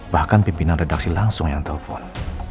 bahkan pimpinan redaksi langsung yang telpon